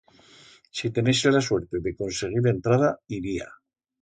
Si tenese la suerte de conseguir entrada, iría.